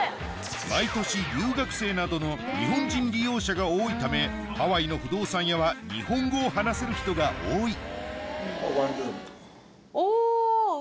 毎年留学生などの日本人利用者が多いためハワイの不動産屋は日本語を話せる人が多いおワオ！